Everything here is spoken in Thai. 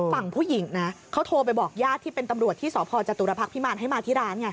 ฝั่งผู้หญิงนะเขาโทรไปบอกญาติที่เป็นตำรวจที่สพจตุรพักษ์พิมารให้มาที่ร้านไง